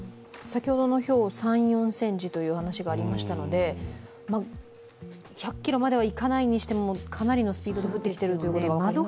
先ほどのひょう、３４ｃｍという話がありましたので１００キロまではいかないにしても、かなりのスピードで降ってきていることが分かりますね。